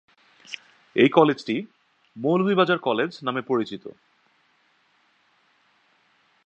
এই কলেজটি "মৌলভীবাজার কলেজ" নামে পরিচিত।